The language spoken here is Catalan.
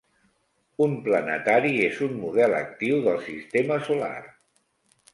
Un planetari és un model actiu del sistema solar.